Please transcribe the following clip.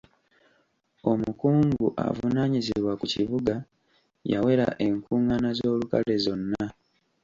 Omukungu avunaanyizibwa ku kibuga yawera enkungaana z'olukale zonna.